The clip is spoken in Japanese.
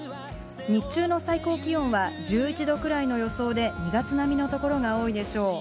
日中の最高気温は１１度くらいの予想で２月並みの所が多いでしょう。